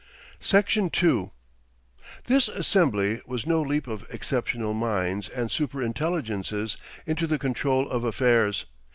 Section 2 This assembly was no leap of exceptional minds and super intelligences into the control of affairs.